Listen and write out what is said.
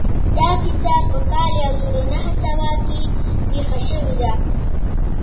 دا کيسه په کال يو زر و نهه سوه کې پېښه شوې ده.